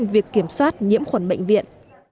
việc kiểm soát nhiễm khuẩn bệnh viện